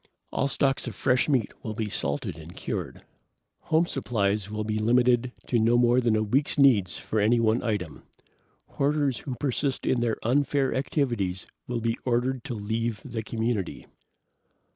"All stocks of fresh meat will be salted and cured. Home supplies will be limited to no more than a week's needs of any one item. Hoarders who persist in their unfair activities will be ordered to leave the community.